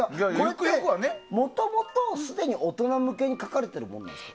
もともとすでに大人向けに書かれているものなんですか？